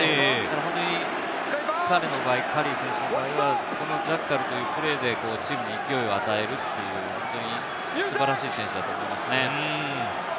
本当に彼の場合、カリー選手の場合はジャッカルというプレーでチームに勢いを与えるという本当に素晴らしい選手だと思いますね。